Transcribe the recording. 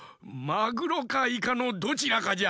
マグロかイカのどちらかじゃ。